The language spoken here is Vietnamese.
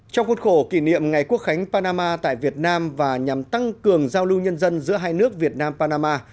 trong khuôn khổ kỷ niệm ngày quốc khánh panama tại việt nam và nhằm tăng cường giao lưu nhân dân giữa hai nước việt nam panama